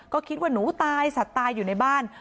ก็คิดว่าหนูตายสัตว์ตายอยู่ในบ้าน